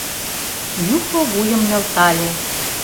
Юхо вуйым нӧлтале.